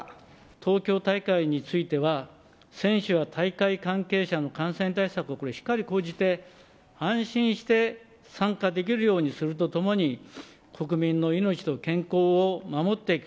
東京大会については、選手や大会関係者の感染対策をこれ、しっかり講じて、安心して参加できるようにするとともに、国民の命と健康を守っていく。